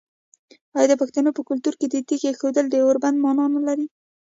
آیا د پښتنو په کلتور کې د تیږې ایښودل د اوربند معنی نلري؟